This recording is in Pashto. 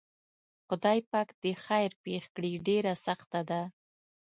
خدای پاک دې خیر پېښ کړي ډېره سخته ده.